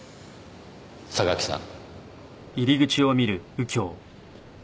榊さん。